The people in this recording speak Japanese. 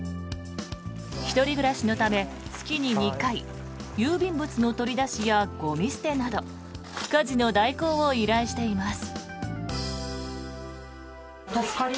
１人暮らしのため月に２回、郵便物の取り出しやゴミ捨てなど家事の代行を依頼しています。